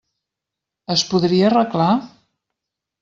Es podria arreglar?